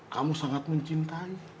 kamu sangat mencintai